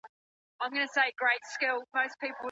مشرانو ته بې احترامي نه کېږي.